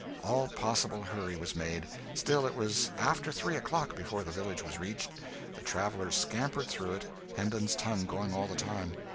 All possible hurry was made; still, it was after three o'clock before the village was reached. The travellers scampered through it, Hendon's tongue going all the time.